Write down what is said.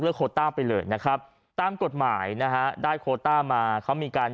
โคต้าไปเลยนะครับตามกฎหมายนะฮะได้โคต้ามาเขามีการ